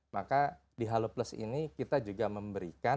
maka di halo plus ini kita juga memberikan